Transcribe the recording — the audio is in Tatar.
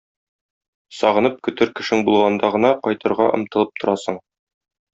Сагынып көтер кешең булганда гына кайтырга омтылып торасың.